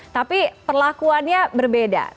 tapi perlakuannya berbeda